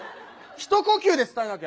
一呼吸で伝えなきゃ！